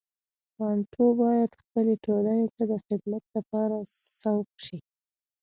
بانټو باید خپلې ټولنې ته د خدمت لپاره سوق شي.